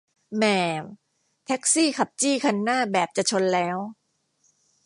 แหม่ แท็กซี่ขับจี้คันหน้าแบบจะชนแล้ว